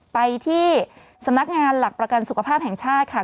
ไปที่สำนักงานหลักประกันสุขภาพแห่งชาติค่ะ